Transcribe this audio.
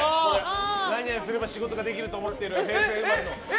何々すれば仕事ができると思っている、平成生まれの。え？